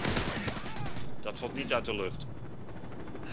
Dat valt niet uit de lucht.